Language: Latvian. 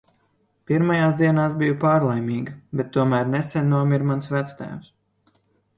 Pirmajās dienās biju pārlaimīga, bet tomēr nesen nomira mans vectēvs.